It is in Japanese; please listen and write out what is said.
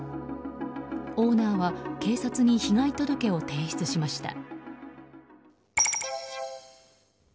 オーナーは警察に被害届を提出しました。